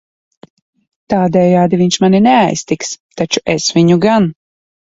Tādejādi viņš mani neaiztiks, taču es viņu gan.